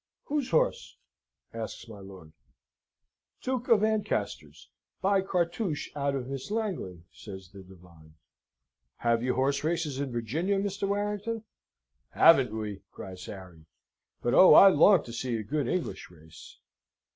"Whose horse?" asks my lord. "Duke of Ancaster's. By Cartouche out of Miss Langley," says the divine. "Have you horse races in Virginia, Mr. Warrington?" "Haven't we!" cries Harry; "but oh! I long to see a good English race!"